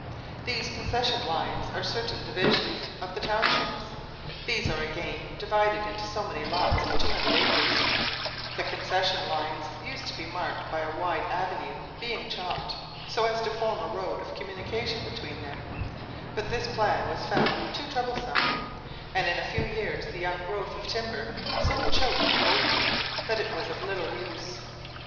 [* These concession lines are certain divisions of the townships; these are again divided into so many lots of 200 acres. The concession lines used to be marked by a wide avenue being chopped, so as to form a road of communication between them; but this plan was found too troublesome; and in a few years the young growth of timber so choked the opening, that it was of little use.